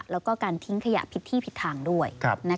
แล้วก็การทิ้งขยะผิดที่ผิดทางด้วย